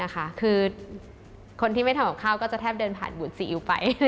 คือคนที่ไม่ทำกับข้าวก็จะแทบเดินผ่านบุตรซีอิ๊วไป